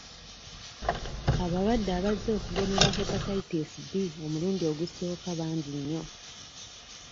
Abalwadde abazze okugemebwa Hepatitis B omulundi ogusooka bangi nnyo.